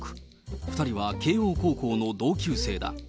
２人は慶應高校の同級生だ。